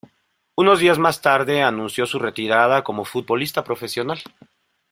Unos días más tarde anunció su retirada como futbolista profesional.